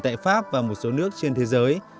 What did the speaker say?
tại pháp và một số nước trên thế giới